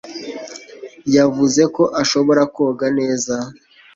yavuze ko ashobora koga neza